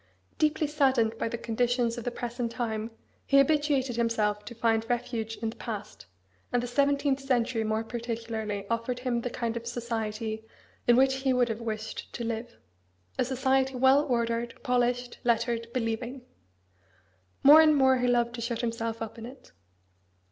Deeply saddened by the conditions of the present time, he habituated himself to find a refuge in the past, and the seventeenth century more particularly offered him the kind of society in which he would have wished to live a society, well ordered, polished, lettered, believing. More and more he loved to shut himself up in it.